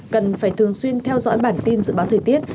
cần phải thường xuyên theo dõi bản tin dự báo thời tiết